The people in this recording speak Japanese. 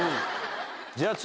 じゃあ次。